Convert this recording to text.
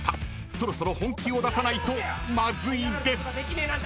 そろそろ本気を出さないとまずいです］